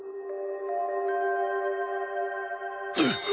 うっ！